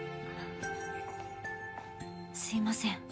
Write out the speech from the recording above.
すみません。